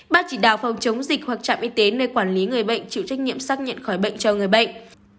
ban chỉ đạo phòng chống dịch hoặc trạm y tế nơi quản lý người bệnh chịu trách nhiệm xác nhận khỏi bệnh cho người bệnh